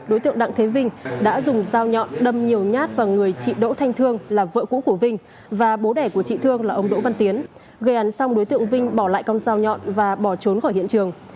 đối tượng đặng thế vinh đã dùng dao nhọn đâm nhiều nhát vào người chị đỗ thanh thương là vợ cũ của vinh và bố đẻ của chị thương là ông đỗ văn tiến gây án xong đối tượng vinh bỏ lại con dao nhọn và bỏ trốn khỏi hiện trường